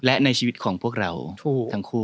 และในชีวิตของพวกเราทั้งคู่